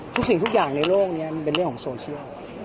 สิ่งทุกอย่างในโลกนี้มันเป็นเรื่องของโซเชียล